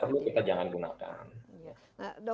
kalau tidak perlu kita jangan gunakan